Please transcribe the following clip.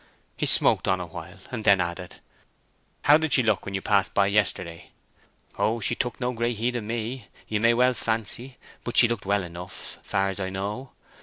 He smoked on awhile, and then added, "How did she look when you passed by yesterday?" "Oh, she took no great heed of me, ye may well fancy; but she looked well enough, far's I know.